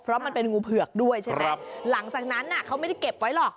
เพราะมันเป็นงูเผือกด้วยใช่ไหมหลังจากนั้นเขาไม่ได้เก็บไว้หรอก